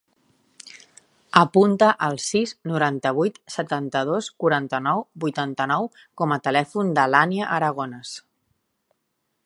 Apunta el sis, noranta-vuit, setanta-dos, quaranta-nou, vuitanta-nou com a telèfon de l'Ànnia Aragones.